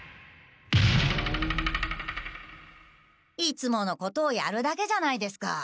いつものことをやるだけじゃないですか。